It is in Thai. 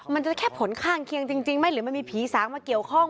มันจะแค่ผลข้างเคียงจริงไหมหรือมันมีผีสางมาเกี่ยวข้อง